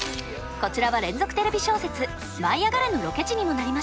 こちらは連続テレビ小説「舞いあがれ！」のロケ地にもなりました。